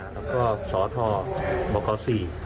และก็สทบค๔นะครับ